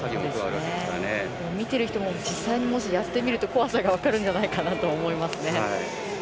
見ている人も実際やってみると怖さが分かるんじゃないかなと思いますね。